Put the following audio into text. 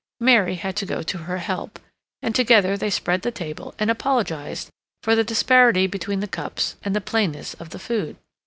Mary had to go to her help, and together they spread the table, and apologized for the disparity between the cups and the plainness of the food.